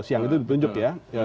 siang itu ditunjuk ya